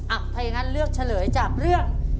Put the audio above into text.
ถ้าอย่างนั้นเลือกเฉลยจากเรื่อง